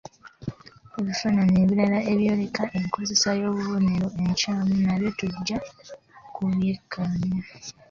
Ebifaananyi ebirala ebyoleka enkozesa y'obubonero enkyamu nabyo tujja kubyekaanya.